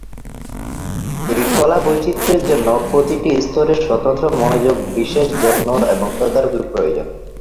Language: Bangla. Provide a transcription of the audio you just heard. এই কলা বৈচিত্র্যের জন্য প্রতিটি স্তরের স্বতন্ত্র মনোযোগ, বিশেষ যত্ন এবং তদারকি প্রয়োজন।